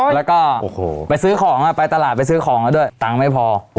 แล้วก็ไปซื้อของไปตลาดไปซื้อของแล้วด้วยตังค์ไม่พอ